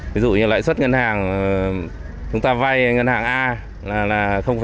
ví dụ như lãi suất ngân hàng chúng ta vay ngân hàng a là